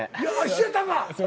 一緒やったんか！